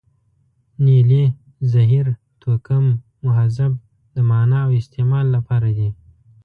نیلې، زهیر، توکم، مهذب د معنا او استعمال لپاره دي.